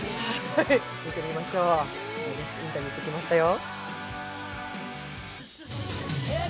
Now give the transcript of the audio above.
見てみましょう、特別インタビューしてきましたよ。